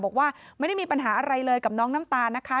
บอกว่าไม่ได้มีปัญหาอะไรเลยกับน้องน้ำตาลนะคะ